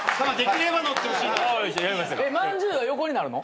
まんじゅうは横になるの？